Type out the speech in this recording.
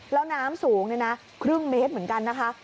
แล้วน้ำสูงครึ่งเมตรเหมือนกันนะคะ